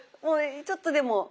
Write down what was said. もうちょっとでも。